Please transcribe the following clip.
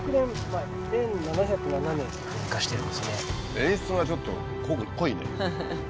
演出がちょっと濃いね。